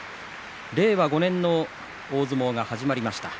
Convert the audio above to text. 令和５年の大相撲が始まりました。